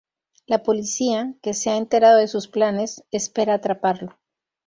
La policía, que se ha enterado de sus planes, espera atraparlo.